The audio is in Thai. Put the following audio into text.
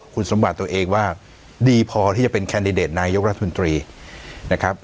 คุณสมบัติตัวเองว่าดีพอที่จะเป็นแคนดิเดตนายกรัฐมนตรีนะครับ